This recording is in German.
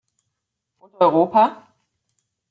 Und Europa?